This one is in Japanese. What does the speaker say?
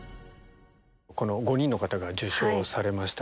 この５人の方が受賞されました